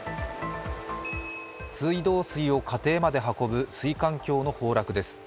水道水を家庭まで運ぶ水管橋の崩落です。